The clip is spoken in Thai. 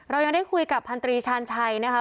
เรายังได้คุยกับพันธรีชาญชัยนะคะ